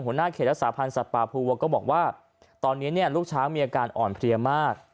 หัวหน้าเขตรักษาพันธ์สัตว์ป่าภูวัวก็บอกว่าตอนนี้เนี่ยลูกช้างมีอาการอ่อนเพลียมาก